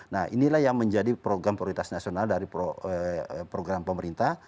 nah inilah yang menjadi program prioritas nasional dari program pemerintah